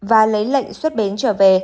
và lấy lệnh xuất bến trở về